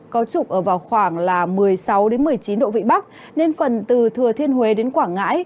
có trục ở vào khoảng một mươi sáu một mươi chín độ vị bắc nên phần từ thừa thiên huế đến quảng ngãi